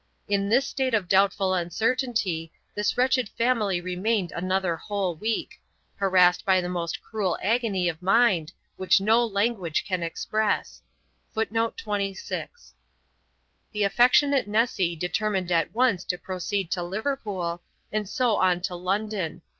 In this state of doubtful uncertainty this wretched family remained another whole week, harassed by the most cruel agony of mind, which no language can express. The affectionate Nessy determined at once to proceed to Liverpool, and so on to London.